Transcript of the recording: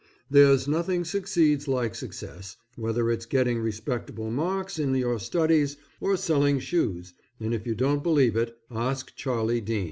There's nothing succeeds like success, whether it's getting respectable marks in your studies, or selling shoes, and if you don't believe it ask Charlie Dean.